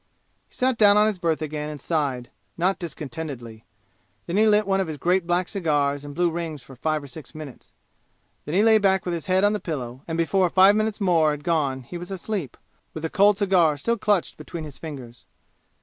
He sat down on his berth again and sighed, not discontentedly. Then he lit one of his great black cigars and blew rings for five or six minutes. Then he lay back with his head on the pillow, and before five minutes more had gone he was asleep, with the cold cigar still clutched between his fingers.